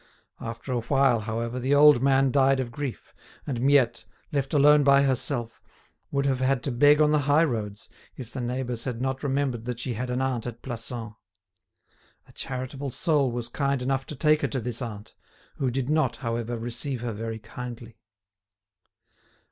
After a while, however, the old man died of grief, and Miette, left alone by herself, would have had to beg on the high roads, if the neighbours had not remembered that she had an aunt at Plassans. A charitable soul was kind enough to take her to this aunt, who did not, however, receive her very kindly.